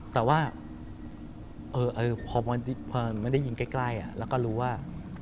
แต่ว่าพอไม่ได้ยิงใกล้แล้วก็รู้ว่า